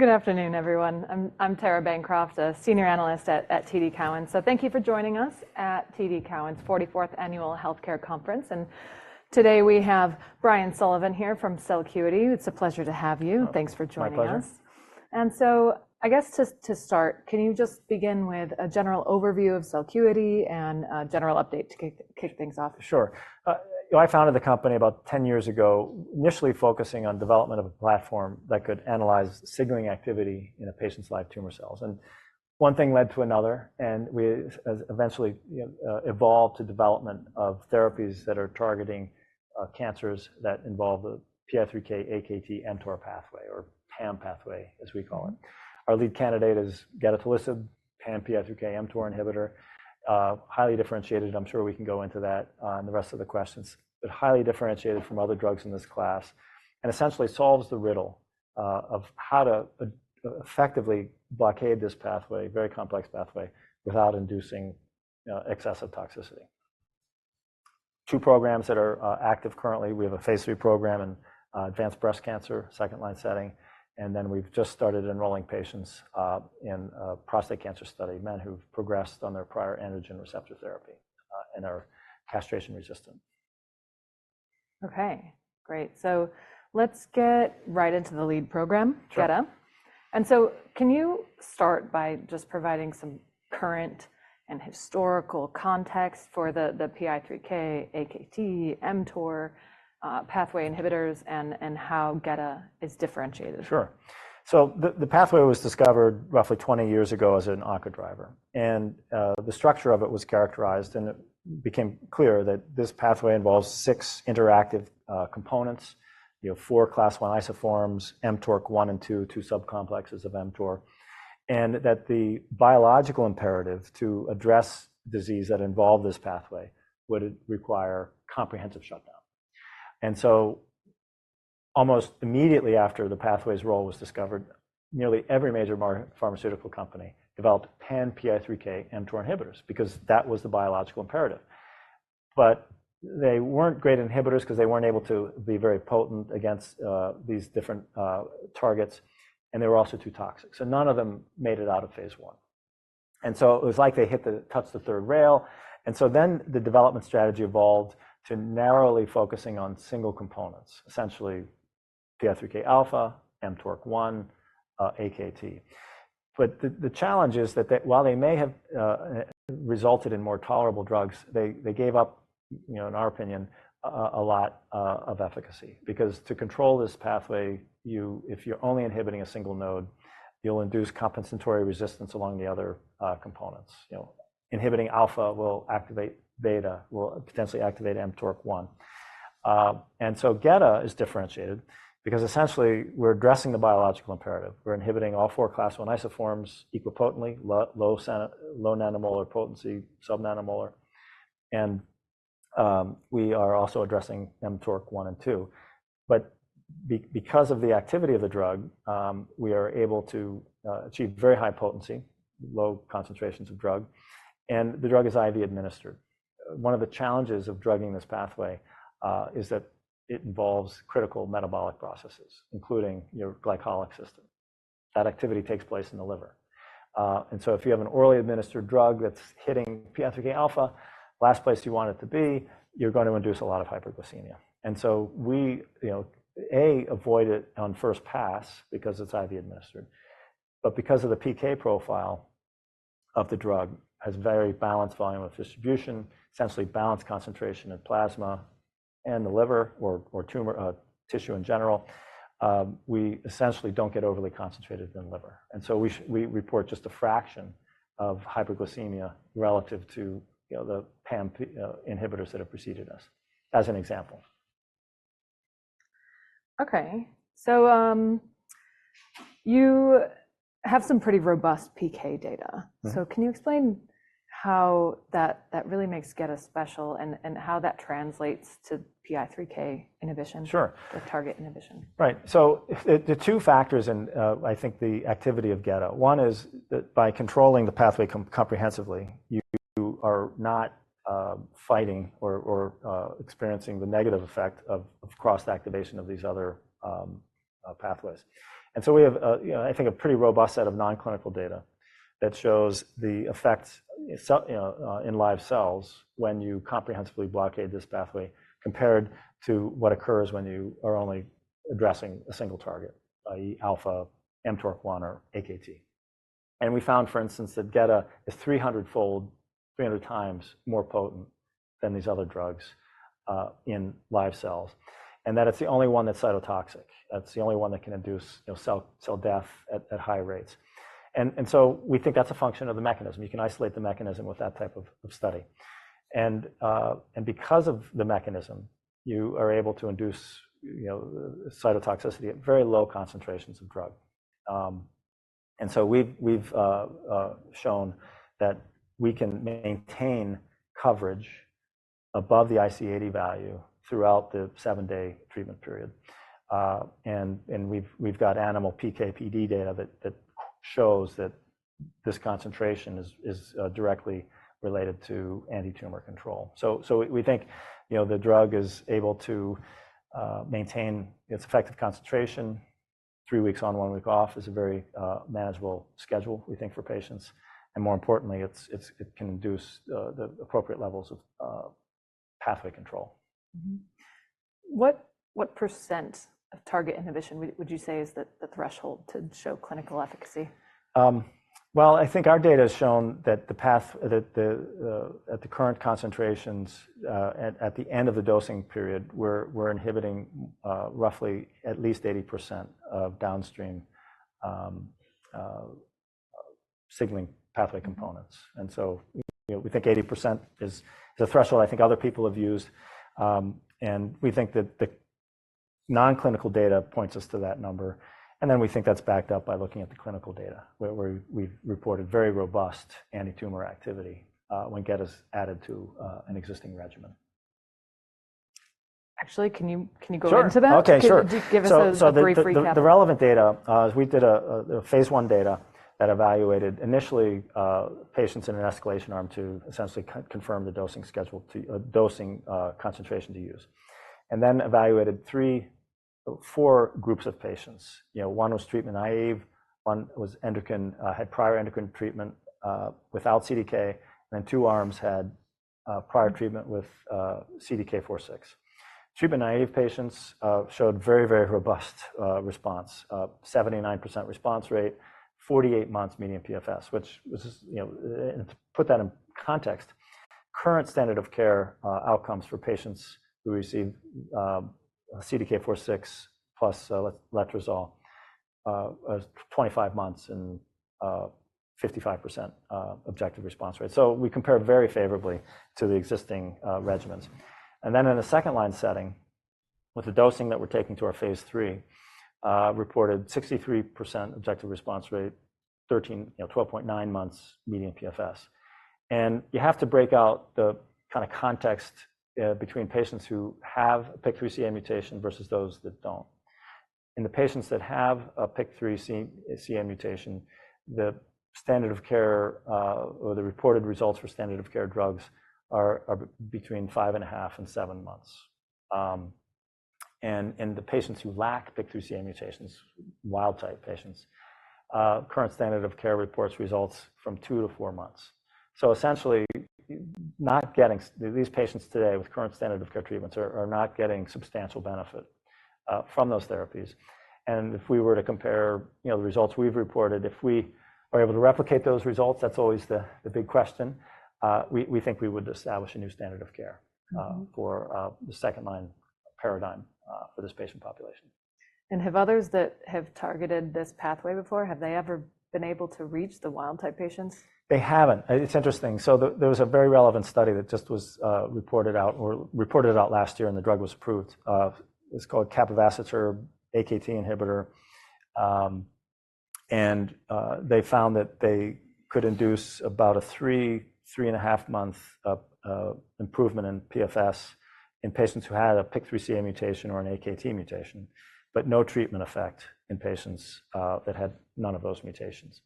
Good afternoon, everyone. I'm Tara Bancroft, a senior analyst at TD Cowen. Thank you for joining us at TD Cowen's 44th Annual Healthcare Conference. Today we have Brian Sullivan here from Celcuity. It's a pleasure to have you. Thanks for joining us. My pleasure. So I guess to start, can you just begin with a general overview of Celcuity and a general update to kick things off? Sure. I founded the company about 10 years ago, initially focusing on development of a platform that could analyze signaling activity in a patient's live tumor cells. And one thing led to another, and we eventually evolved to development of therapies that are targeting cancers that involve the PI3K/AKT/mTOR pathway, or PAM pathway as we call it. Our lead candidate is gedatolisib, PAM/PI3K/mTOR inhibitor, highly differentiated. I'm sure we can go into that in the rest of the questions, but highly differentiated from other drugs in this class, and essentially solves the riddle of how to effectively blockade this pathway, very complex pathway, without inducing excessive toxicity. Two programs that are active currently. We have a phase III program in advanced breast cancer, second-line setting. Then we've just started enrolling patients in a prostate cancer study, men who've progressed on their prior androgen receptor therapy and are castration-resistant. Okay, great. So let's get right into the lead program, geda. And so can you start by just providing some current and historical context for the PI3K/AKT/mTOR pathway inhibitors and how geda is differentiated? Sure. So the pathway was discovered roughly 20 years ago as an oncogenic driver. And the structure of it was characterized, and it became clear that this pathway involves six interactive components, four Class I isoforms, mTORC1 and mTORC2, two subcomplexes of mTOR, and that the biological imperative to address disease that involved this pathway would require comprehensive shutdown. And so almost immediately after the pathway's role was discovered, nearly every major pharmaceutical company developed PI3K/AKT/mTOR inhibitors because that was the biological imperative. But they weren't great inhibitors because they weren't able to be very potent against these different targets. And they were also too toxic. So none of them made it out of phase I. And so it was like they touched the third rail. And so then the development strategy evolved to narrowly focusing on single components, essentially PI3K alpha, mTORC1, AKT. But the challenge is that while they may have resulted in more tolerable drugs, they gave up, in our opinion, a lot of efficacy. Because to control this pathway, if you're only inhibiting a single node, you'll induce compensatory resistance along the other components. Inhibiting alpha will potentially activate mTORC1. And so geda is differentiated because essentially we're addressing the biological imperative. We're inhibiting all four Class 1 isoforms equipotently, low nanomolar potency, subnanomolar. And we are also addressing mTORC1 and mTORC2. But because of the activity of the drug, we are able to achieve very high potency, low concentrations of drug. And the drug is IV administered. One of the challenges of drugging this pathway is that it involves critical metabolic processes, including your glycolytic system. That activity takes place in the liver. So if you have an orally administered drug that's hitting PI3K alpha, last place you want it to be, you're going to induce a lot of hyperglycemia. So we avoid it on first pass because it's IV administered. But because of the PK profile of the drug, it has very balanced volume of distribution, essentially balanced concentration of plasma and the liver or tissue in general, we essentially don't get overly concentrated in the liver. So we report just a fraction of hyperglycemia relative to the PAM inhibitors that have preceded us, as an example. Okay. So you have some pretty robust PK data. So can you explain how that really makes geda special and how that translates to PI3K inhibition, the target inhibition? Sure. Right. So the two factors in, I think, the activity of geda, one is that by controlling the pathway comprehensively, you are not fighting or experiencing the negative effect of cross-activation of these other pathways. And so we have, I think, a pretty robust set of non-clinical data that shows the effects in live cells when you comprehensively blockade this pathway compared to what occurs when you are only addressing a single target, i.e., alpha, mTORC1, or AKT. And we found, for instance, that geda is 300 times more potent than these other drugs in live cells, and that it's the only one that's cytotoxic. It's the only one that can induce cell death at high rates. And so we think that's a function of the mechanism. You can isolate the mechanism with that type of study. And because of the mechanism, you are able to induce cytotoxicity at very low concentrations of drug. And so we've shown that we can maintain coverage above the IC80 value throughout the seven-day treatment period. And we've got animal PK/PD data that shows that this concentration is directly related to antitumor control. So we think the drug is able to maintain its effective concentration. Three weeks on, one week off is a very manageable schedule, we think, for patients. And more importantly, it can induce the appropriate levels of pathway control. What % of target inhibition would you say is the threshold to show clinical efficacy? Well, I think our data has shown that at the current concentrations, at the end of the dosing period, we're inhibiting roughly at least 80% of downstream signaling pathway components. And so we think 80% is the threshold I think other people have used. And we think that the non-clinical data points us to that number. And then we think that's backed up by looking at the clinical data, where we've reported very robust antitumor activity when geda is added to an existing regimen. Actually, can you go into that? Sure. Okay. Sure. Give us a brief recap. The relevant data is we did phase I data that evaluated initially patients in an escalation arm to essentially confirm the dosing schedule, dosing concentration to use, and then evaluated four groups of patients. One was treatment naive. One had prior endocrine treatment without CDK4/6. Then two arms had prior treatment with CDK4/6. Treatment naive patients showed very, very robust response, 79% response rate, 48 months median PFS, which was to put that in context, current standard of care outcomes for patients who receive CDK4/6 plus letrozole was 25 months and 55% objective response rate. We compare very favorably to the existing regimens. Then in a second line setting, with the dosing that we're taking to our phase III, reported 63% objective response rate, 12.9 months median PFS. You have to break out the kind of context between patients who have a PIK3CA mutation versus those that don't. In the patients that have a PIK3CA mutation, the standard of care or the reported results for standard of care drugs are between 5.5 and 7 months. In the patients who lack PIK3CA mutations, wild-type patients, current standard of care reports results from two to four months. Essentially, these patients today with current standard of care treatments are not getting substantial benefit from those therapies. If we were to compare the results we've reported, if we are able to replicate those results, that's always the big question. We think we would establish a new standard of care for the second line paradigm for this patient population. Have others that have targeted this pathway before, have they ever been able to reach the wild-type patients? They haven't. It's interesting. So there was a very relevant study that just was reported out last year and the drug was approved. It's called capivasertib/AKT inhibitor. And they found that they could induce about a three, three and a half-month improvement in PFS in patients who had a PIK3CA mutation or an AKT mutation, but no treatment effect in patients that had none of those mutations.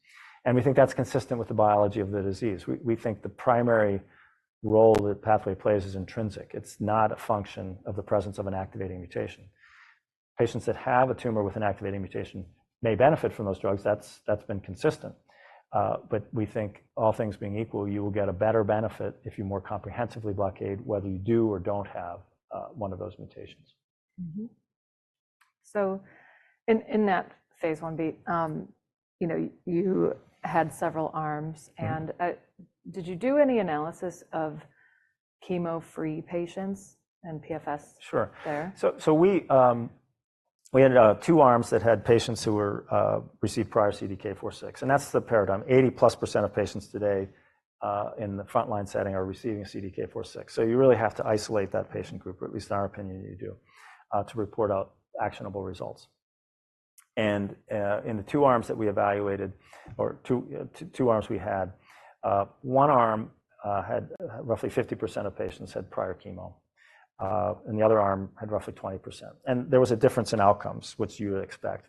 And we think that's consistent with the biology of the disease. We think the primary role that pathway plays is intrinsic. It's not a function of the presence of an activating mutation. Patients that have a tumor with an activating mutation may benefit from those drugs. That's been consistent. But we think all things being equal, you will get a better benefit if you more comprehensively blockade, whether you do or don't have one of those mutations. In that phase I beat, you had several arms. Did you do any analysis of chemo-free patients and PFS there? Sure. So we had two arms that had patients who received prior CDK4/6. And that's the paradigm. 80%+ of patients today in the front line setting are receiving CDK4/6. So you really have to isolate that patient group, or at least in our opinion, you do, to report out actionable results. And in the two arms that we evaluated, or two arms we had, one arm had roughly 50% of patients had prior chemo. And the other arm had roughly 20%. And there was a difference in outcomes, which you would expect.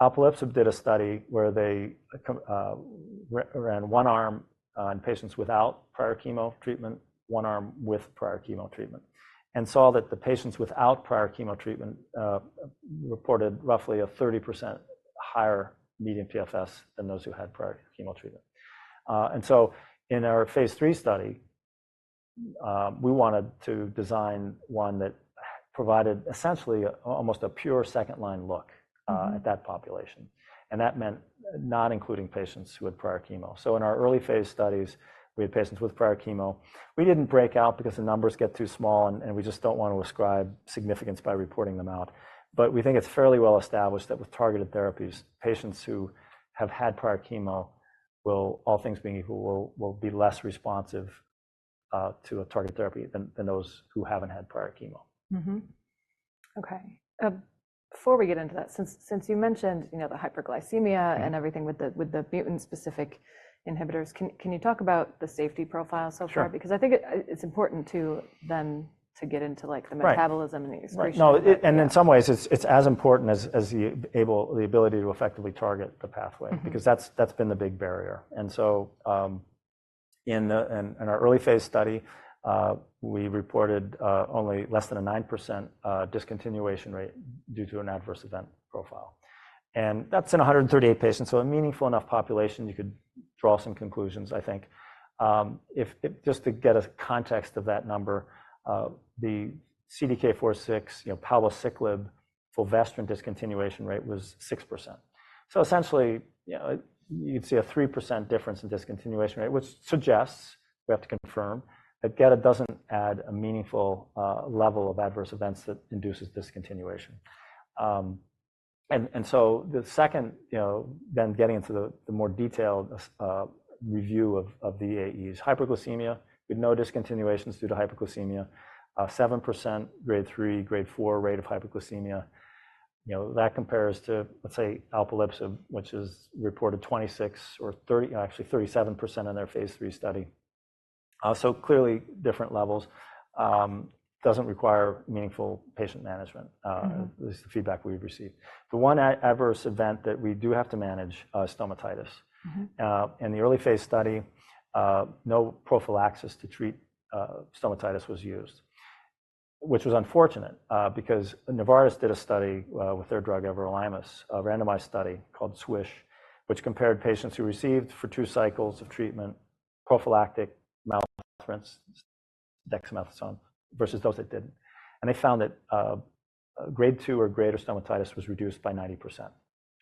Alpelisib did a study where they ran one arm on patients without prior chemo treatment, one arm with prior chemo treatment, and saw that the patients without prior chemo treatment reported roughly a 30% higher median PFS than those who had prior chemo treatment. In our phase III study, we wanted to design one that provided essentially almost a pure second-line look at that population. That meant not including patients who had prior chemo. In our early phase studies, we had patients with prior chemo. We didn't break out because the numbers get too small and we just don't want to ascribe significance by reporting them out. We think it's fairly well established that with targeted therapies, patients who have had prior chemo will, all things being equal, be less responsive to a target therapy than those who haven't had prior chemo. Okay. Before we get into that, since you mentioned the hyperglycemia and everything with the mutant-specific inhibitors, can you talk about the safety profile so far? Because I think it's important to then get into the metabolism and the excretion. Right. No. And in some ways, it's as important as the ability to effectively target the pathway because that's been the big barrier. And so in our early phase study, we reported only less than a 9% discontinuation rate due to an adverse event profile. And that's in 138 patients. So a meaningful enough population, you could draw some conclusions, I think. Just to get a context of that number, the CDK4/6, palbociclib, fulvestrant discontinuation rate was 6%. So essentially, you'd see a 3% difference in discontinuation rate, which suggests, we have to confirm, that geda doesn't add a meaningful level of adverse events that induces discontinuation. And so the second, then getting into the more detailed review of the AEs, hyperglycemia, we had no discontinuations due to hyperglycemia, 7% Grade 3, Grade 4 rate of hyperglycemia. That compares to, let's say, Alpelisib, which has reported 26% or actually 37% in their phase III study. So clearly different levels, doesn't require meaningful patient management, at least the feedback we've received. The one adverse event that we do have to manage is stomatitis. In the early phase study, no prophylaxis to treat stomatitis was used, which was unfortunate because Novartis did a study with their drug everolimus, a randomized study called SWISH, which compared patients who received for two cycles of treatment prophylactic mouth rinse, dexamethasone, versus those that didn't. They found that Grade 2 or greater stomatitis was reduced by 90%.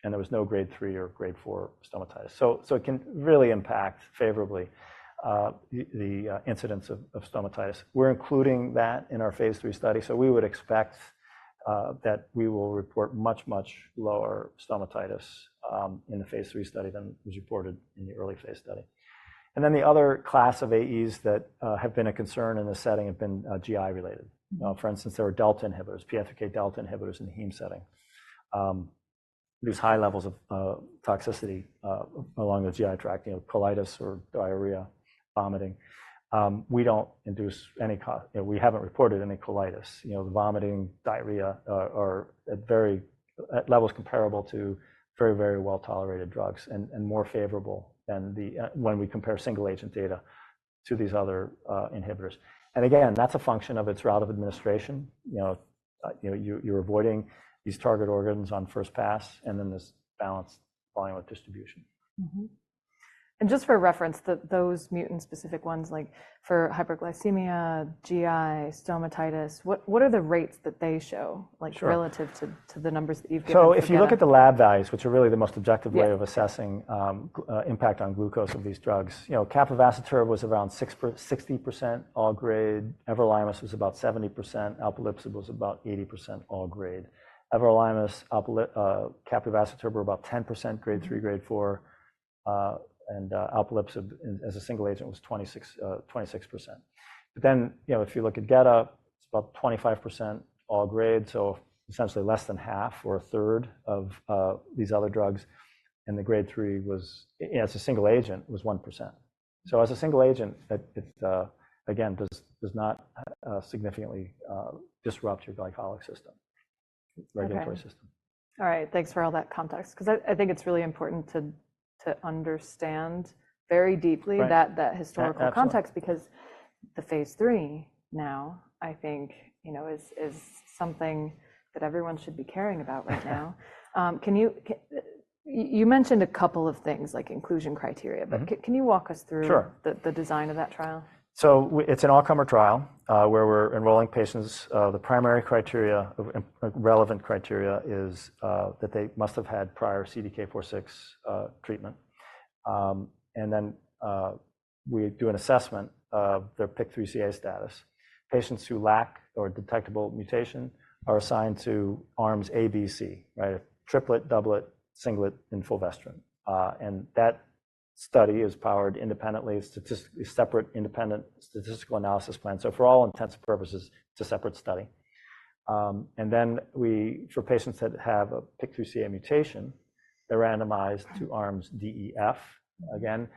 And there was no Grade 3 or Grade 4 stomatitis. So it can really impact favorably the incidence of stomatitis. We're including that in our phase III study. So we would expect that we will report much, much lower stomatitis in the phase III study than was reported in the early phase study. And then the other class of AEs that have been a concern in this setting have been GI related. For instance, there were delta inhibitors, PI3K delta inhibitors in the heme setting. These high levels of toxicity along the GI tract, colitis or diarrhea, vomiting, we don't induce any such. We haven't reported any colitis. The vomiting, diarrhea are at levels comparable to very, very well tolerated drugs and more favorable than when we compare single agent data to these other inhibitors. And again, that's a function of its route of administration. You're avoiding these target organs on first pass and then this balanced volume of distribution. Just for reference, those mutant-specific ones, like for hyperglycemia, GI, stomatitis, what are the rates that they show relative to the numbers that you've given? So if you look at the lab values, which are really the most objective way of assessing impact on glucose of these drugs, capivasertib was around 60% all grade. Everolimus was about 70%. Alpelisib was about 80% all grade. Everolimus, capivasertib were about 10% Grade 3/4. And alpelisib as a single agent was 26%. But then if you look at gedatolisib, it's about 25% all grade. So essentially less than half or a third of these other drugs. And the Grade 3 was, as a single agent, was 1%. So as a single agent, it again does not significantly disrupt your glycemic system, regulatory system. All right. Thanks for all that context. Because I think it's really important to understand very deeply that historical context because the phase III now, I think, is something that everyone should be caring about right now. You mentioned a couple of things like inclusion criteria. But can you walk us through the design of that trial? Sure. So it's an all-comer trial where we're enrolling patients. The primary relevant criteria is that they must have had prior CDK4/6 treatment. And then we do an assessment of their PIK3CA status. Patients who lack a detectable mutation are assigned to arms A, B, C, right? Triplet, doublet, singlet, and fulvestrant. And that study is powered independently, a separate independent statistical analysis plan. So for all intents and purposes, it's a separate study. And then for patients that have a PIK3CA mutation, they're randomized to arms D, E, F. Again,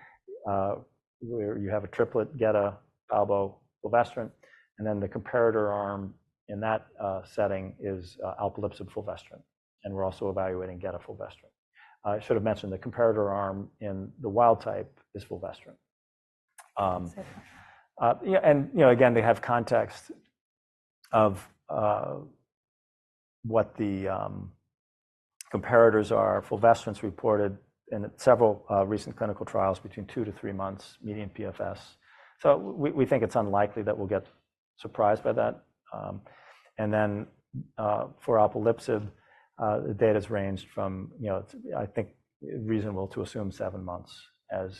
where you have a triplet, geda, palbo, fulvestrant. And then the comparator arm in that setting is alpelisib fulvestrant. And we're also evaluating geda fulvestrant. I should have mentioned the comparator arm in the wild type is fulvestrant. And again, they have context of what the comparators are. Fulvestrant's reported in several recent clinical trials between two to three months median PFS. So we think it's unlikely that we'll get surprised by that. And then for alpelisib, the data has ranged from, I think, reasonable to assume seven months as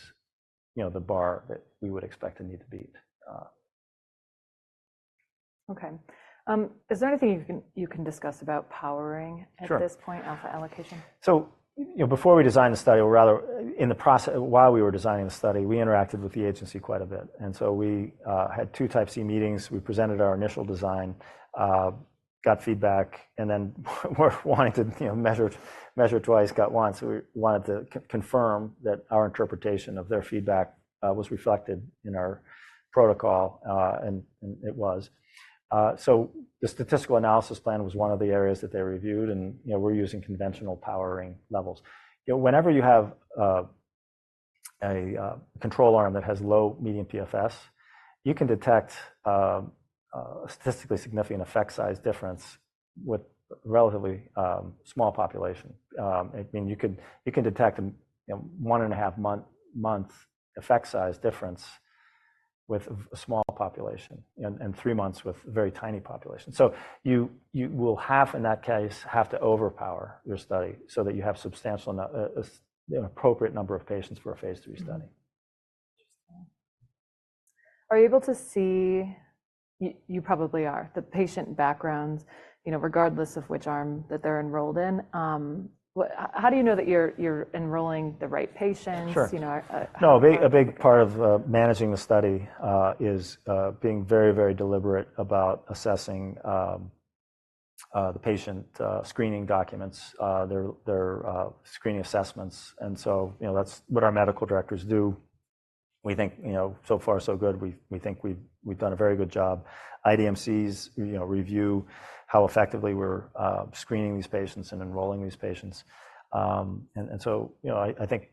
the bar that we would expect to need to beat. Okay. Is there anything you can discuss about powering at this point, alpha allocation? Sure. So before we designed the study, or rather while we were designing the study, we interacted with the agency quite a bit. And so we had two type C meetings. We presented our initial design, got feedback, and then wanted to measure twice, cut once. So we wanted to confirm that our interpretation of their feedback was reflected in our protocol. And it was. So the statistical analysis plan was one of the areas that they reviewed. And we're using conventional powering levels. Whenever you have a control arm that has low median PFS, you can detect a statistically significant effect size difference with a relatively small population. I mean, you can detect a one and a half-month effect size difference with a small population and three months with a very tiny population. So you will, in that case, have to overpower your study so that you have an appropriate number of patients for a phase three study. Are you able to see? You probably are. The patient backgrounds, regardless of which arm that they're enrolled in? How do you know that you're enrolling the right patients? Sure. No, a big part of managing the study is being very, very deliberate about assessing the patient screening documents, their screening assessments. And so that's what our medical directors do. We think so far, so good. We think we've done a very good job. IDMCs review how effectively we're screening these patients and enrolling these patients. And so I think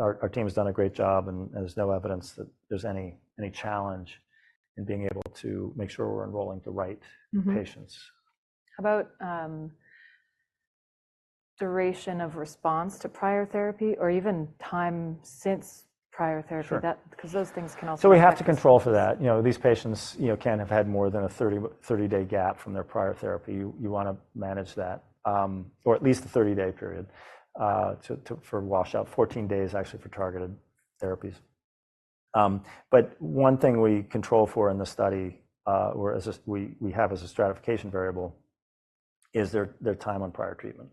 our team has done a great job. And there's no evidence that there's any challenge in being able to make sure we're enrolling the right patients. How about duration of response to prior therapy or even time since prior therapy? Because those things can also. We have to control for that. These patients can have had more than a 30-day gap from their prior therapy. You want to manage that, or at least the 30-day period for washout, 14 days actually for targeted therapies. But one thing we control for in the study we have as a stratification variable is their time on prior treatment.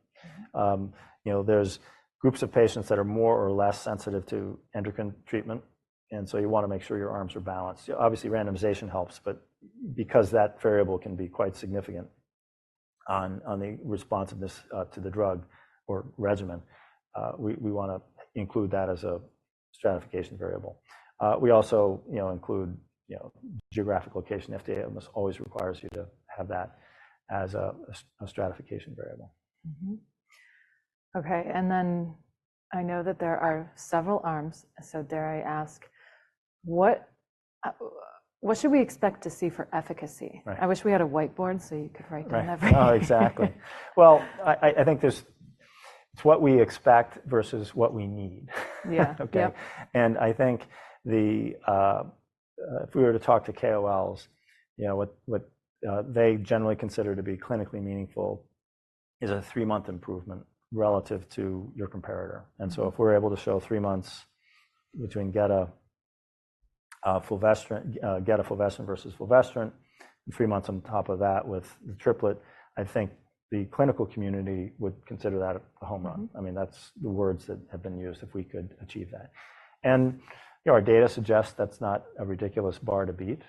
There's groups of patients that are more or less sensitive to endocrine treatment. And so you want to make sure your arms are balanced. Obviously, randomization helps. But because that variable can be quite significant on the responsiveness to the drug or regimen, we want to include that as a stratification variable. We also include geographic location. FDA almost always requires you to have that as a stratification variable. Okay. Then I know that there are several arms. So there I ask, what should we expect to see for efficacy? I wish we had a whiteboard so you could write down everything. Right. Oh, exactly. Well, I think it's what we expect versus what we need. Yeah. Okay. I think if we were to talk to KOLs, what they generally consider to be clinically meaningful is a three-month improvement relative to your comparator. And so if we're able to show three months between geda fulvestrant versus fulvestrant, and three months on top of that with the triplet, I think the clinical community would consider that a home run. I mean, that's the words that have been used if we could achieve that. And our data suggests that's not a ridiculous bar to beat.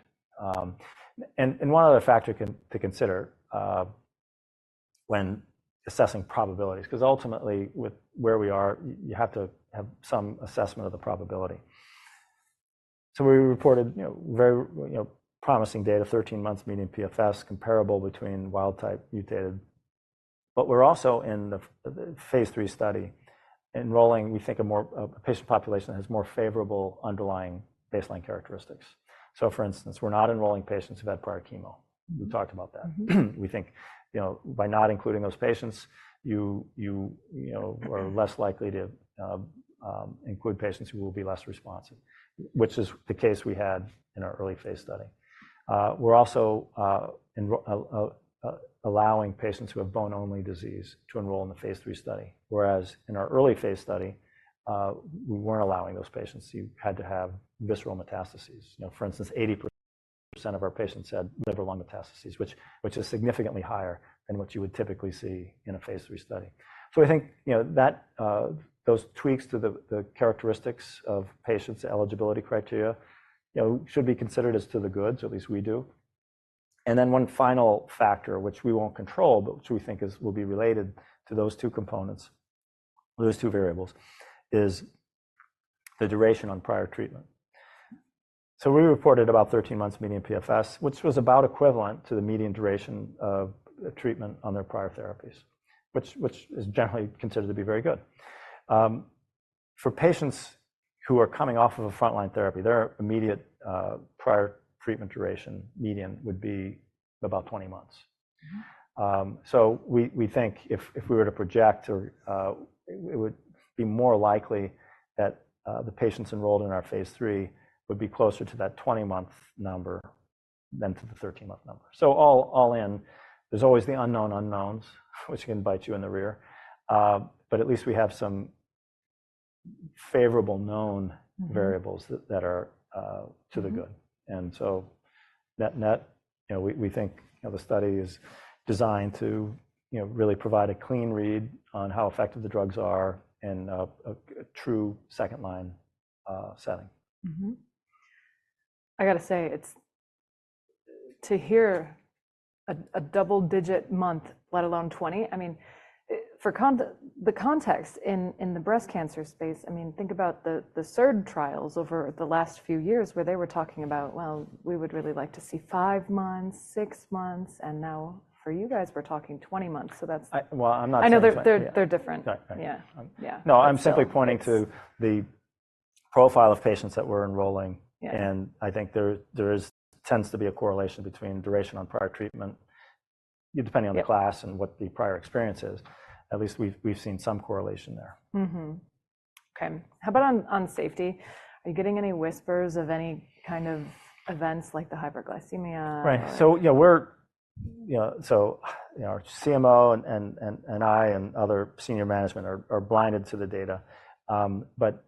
And one other factor to consider when assessing probabilities, because ultimately with where we are, you have to have some assessment of the probability. So we reported very promising data, 13 months median PFS comparable between wild-type mutated. But we're also in the phase III study enrolling, we think, a patient population that has more favorable underlying baseline characteristics. So for instance, we're not enrolling patients who've had prior chemo. We talked about that. We think by not including those patients, you are less likely to include patients who will be less responsive, which is the case we had in our early phase study. We're also allowing patients who have bone-only disease to enroll in the phase III study. Whereas in our early phase study, we weren't allowing those patients. You had to have visceral metastases. For instance, 80% of our patients had liver lung metastases, which is significantly higher than what you would typically see in a phase III study. So I think those tweaks to the characteristics of patients' eligibility criteria should be considered as to the goods, at least we do. And then one final factor, which we won't control, but which we think will be related to those two components, those two variables, is the duration on prior treatment. So we reported about 13 months median PFS, which was about equivalent to the median duration of treatment on their prior therapies, which is generally considered to be very good. For patients who are coming off of a frontline therapy, their immediate prior treatment duration median would be about 20 months. So we think if we were to project, it would be more likely that the patients enrolled in our phase III would be closer to that 20-month number than to the 13-month number. So all in, there's always the unknown unknowns, which can bite you in the rear. But at least we have some favorable known variables that are to the good. Net-net, we think the study is designed to really provide a clean read on how effective the drugs are in a true second-line setting. I got to say, to hear a double-digit month, let alone 20, I mean, for the context in the breast cancer space, I mean, think about the SERD trials over the last few years where they were talking about, well, we would really like to see five months, six months. And now for you guys, we're talking 20 months. So that's. Well, I'm not sure. I know they're different. Yeah. No, I'm simply pointing to the profile of patients that we're enrolling. I think there tends to be a correlation between duration on prior treatment, depending on the class and what the prior experience is. At least we've seen some correlation there. Okay. How about on safety? Are you getting any whispers of any kind of events like the hyperglycemia? Right. So yeah, our CMO and I and other senior management are blinded to the data. But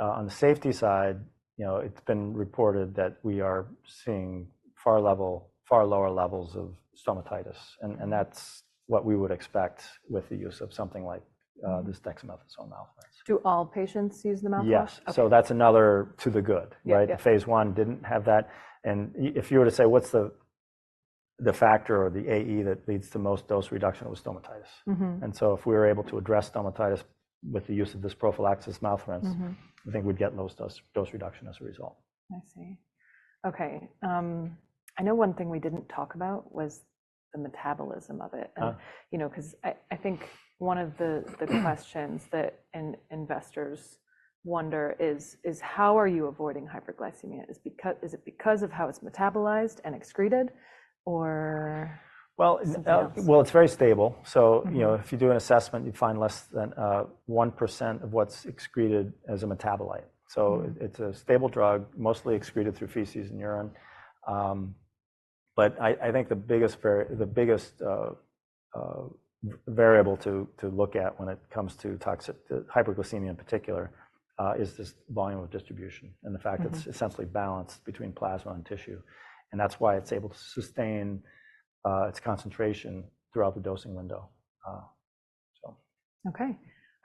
on the safety side, it's been reported that we are seeing far lower levels of stomatitis. And that's what we would expect with the use of something like this dexamethasone mouthwash. Do all patients use the mouthwash? Yes. That's another to the good, right? Phase I didn't have that. If you were to say what's the factor or the AE that leads to most dose reduction with stomatitis? If we were able to address stomatitis with the use of this prophylaxis mouth rinse, I think we'd get low dose reduction as a result. I see. Okay. I know one thing we didn't talk about was the metabolism of it. Because I think one of the questions that investors wonder is, how are you avoiding hyperglycemia? Is it because of how it's metabolized and excreted? Or something else? Well, it's very stable. So if you do an assessment, you find less than 1% of what's excreted as a metabolite. So it's a stable drug, mostly excreted through feces and urine. But I think the biggest variable to look at when it comes to hyperglycemia in particular is this volume of distribution and the fact that it's essentially balanced between plasma and tissue. And that's why it's able to sustain its concentration throughout the dosing window. Okay.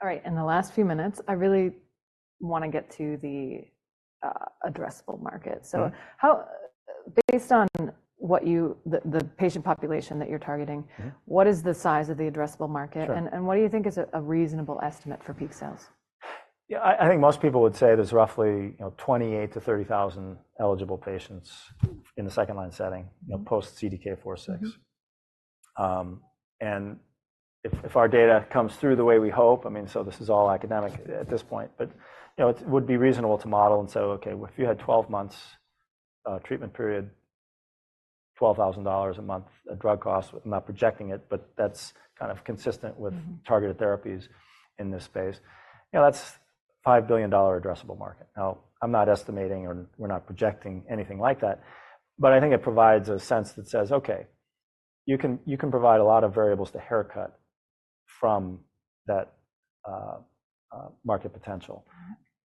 All right. In the last few minutes, I really want to get to the addressable market. So based on the patient population that you're targeting, what is the size of the addressable market? And what do you think is a reasonable estimate for peak cells? Yeah, I think most people would say there's roughly 28,000-30,000 eligible patients in the second-line setting, post CDK4/6. And if our data comes through the way we hope, I mean, so this is all academic at this point, but it would be reasonable to model and say, okay, if you had 12 months treatment period, $12,000 a month, a drug cost, I'm not projecting it, but that's kind of consistent with targeted therapies in this space. That's a $5 billion addressable market. Now, I'm not estimating or we're not projecting anything like that. But I think it provides a sense that says, okay, you can provide a lot of variables to haircut from that market potential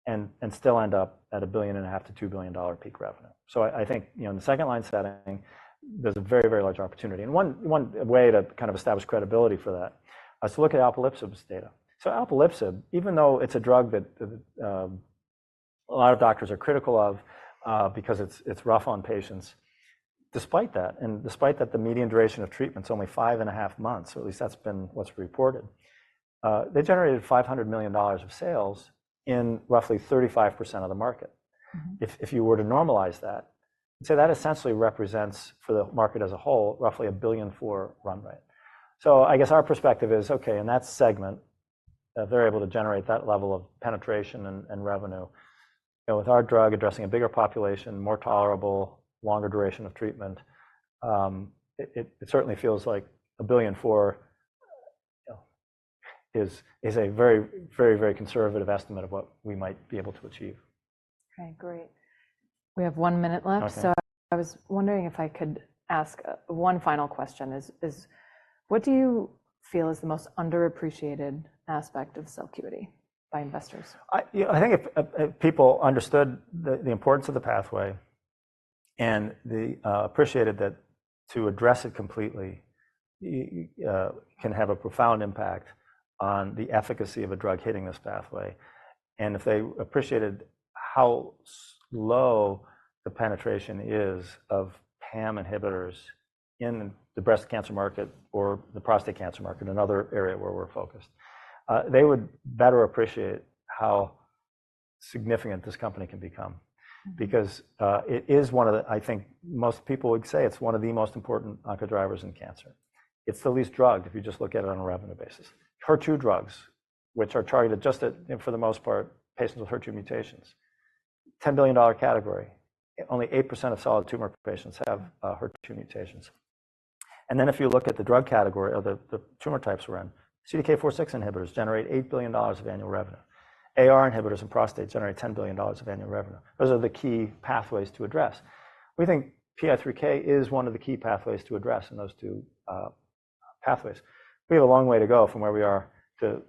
and still end up at $1.5 billion-$2 billion peak revenue. So I think in the second-line setting, there's a very, very large opportunity. One way to kind of establish credibility for that is to look at alpelisib's data. Alpelisib, even though it's a drug that a lot of doctors are critical of because it's rough on patients, despite that, and despite that the median duration of treatment is only five and a half months, or at least that's been what's reported, they generated $500 million of sales in roughly 35% of the market. If you were to normalize that, say that essentially represents for the market as a whole, roughly $1 billion run rate. I guess our perspective is, okay, in that segment, they're able to generate that level of penetration and revenue. With our drug addressing a bigger population, more tolerable, longer duration of treatment, it certainly feels like $1 billion is a very, very, very conservative estimate of what we might be able to achieve. Okay, great. We have one minute left. So I was wondering if I could ask one final question is what do you feel is the most underappreciated aspect of Celcuity by investors? I think if people understood the importance of the pathway and appreciated that to address it completely can have a profound impact on the efficacy of a drug hitting this pathway. And if they appreciated how low the penetration is of PAM inhibitors in the breast cancer market or the prostate cancer market, another area where we're focused, they would better appreciate how significant this company can become. Because it is one of the, I think most people would say it's one of the most important oncodrivers in cancer. It's the least drugged if you just look at it on a revenue basis. HER2 drugs, which are targeted just for the most part, patients with HER2 mutations, $10 billion category, only 8% of solid tumor patients have HER2 mutations. If you look at the drug category or the tumor types we're in, CDK4/6 inhibitors generate $8 billion of annual revenue. AR inhibitors in prostate generate $10 billion of annual revenue. Those are the key pathways to address. We think PI3K is one of the key pathways to address in those two pathways. We have a long way to go from where we are to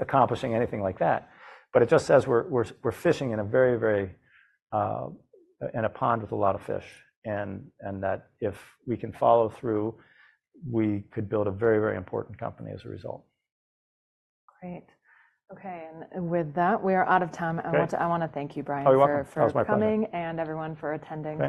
accomplishing anything like that. But it just says we're fishing in a very big pond with a lot of fish. And that if we can follow through, we could build a very, very important company as a result. Great. Okay. With that, we are out of time. I want to thank you, Brian, for coming and everyone for attending.